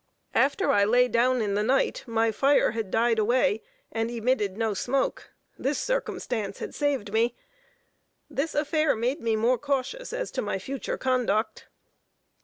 After I lay down in the night, my fire had died away and emitted no smoke; this circumstance saved me. This affair made me more cautious as to my future conduct.